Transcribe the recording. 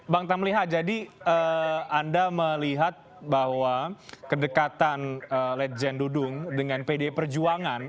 bang tamliha jadi anda melihat bahwa kedekatan legend dudung dengan pdi perjuangan